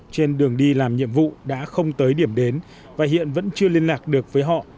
trên đường đi làm nhiệm vụ đã không tới điểm đến và hiện vẫn chưa liên lạc được với họ